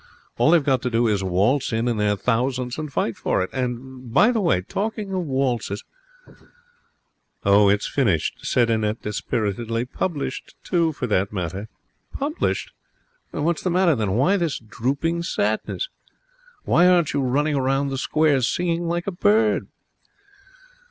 All they've got to do is to waltz in in their thousands and fight for it. And, by the way, talking of waltzes ' 'Oh, it's finished,' said Annette, dispiritedly. 'Published too, for that matter.' 'Published! What's the matter, then? Why this drooping sadness? Why aren't you running around the square, singing like a bird?'